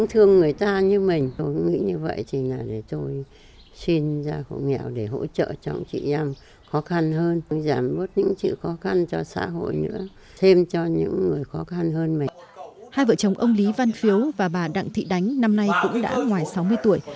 hai vợ chồng ông lý văn phiếu và bà đặng thị đánh năm nay cũng đã ngoài sáu mươi tuổi